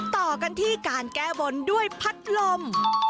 ต่อกันที่การแก้บนด้วยพัดลม